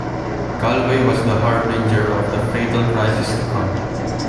Galway was the harbinger of the fatal crisis to come.